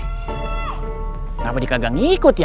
kenapa dia kagak ngikut ya